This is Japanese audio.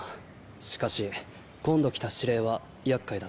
しかし今度来た司令は厄介だぞ。